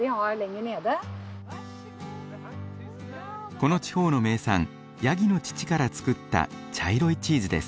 この地方の名産ヤギの乳から作った茶色いチーズです。